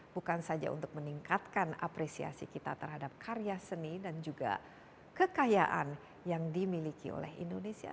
bukan saja untuk meningkatkan apresiasi kita terhadap karya seni dan juga kekayaan yang dimiliki oleh indonesia